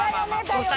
大谷。